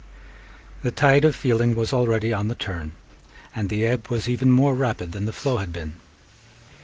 The tide of feeling was already on the turn; and the ebb was even more rapid than the flow had been.